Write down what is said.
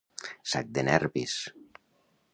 Sac de nervis.